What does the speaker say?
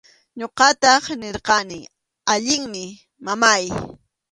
Ñuqataq nirqani: allinmi, mamáy.